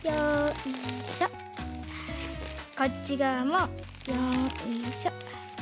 こっちがわもよいしょ。